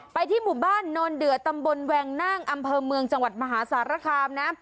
ที่หมู่บ้านโนนเดือตำบลแวงนั่งอำเภอเมืองจังหวัดมหาสารคามนะ